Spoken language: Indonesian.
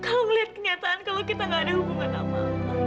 kau melihat kenyataan kalau kita gak ada hubungan apa